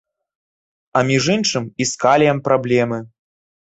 А між іншым, і з каліем праблемы.